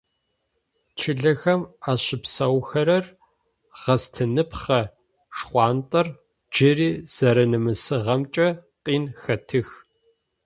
Чылэхэм ащыпсэухэрэр гъэстыныпхъэ шхъуантӏэр джыри зэранэмысыгъэмкӏэ къин хэтых.